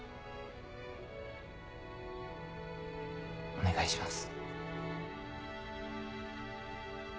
お願いします。